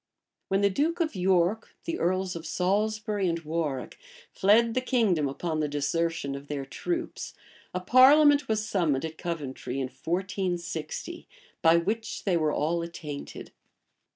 When the duke of York, the earls of Salisbury and Warwick, fled the kingdom upon the desertion of their troops, a parliament was summoned at Coventry in 1460, by which they were all attainted.